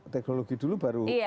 teknologi dulu baru